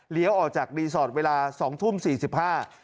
เลี้ยวออกจากรีสอร์ทเวลา๒ทุ่ม๔๕น